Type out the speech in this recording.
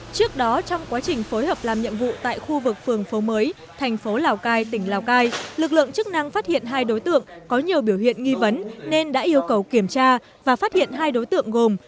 trước đó trong quá trình phối hợp làm nhiệm vụ tại khu vực phường phố mới thành phố lào cai tỉnh lào cai lực lượng chức năng phát hiện hai đối tượng có nhiều biểu hiện nghi vấn nên đã yêu cầu kiểm tra và phát hiện hai đối tượng gồm